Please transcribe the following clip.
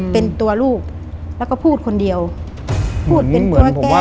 เป็นตัวลูกแล้วก็พูดคนเดียวพูดเป็นตัวแก้